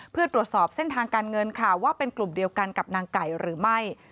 เพื่อตรวจสอบเส้นทางการเงินค่ะว่าเป็นกลุ่มเดียวกันกับนางไก่หรือไม่